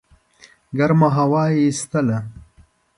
ګرمه هوا یې ایستله.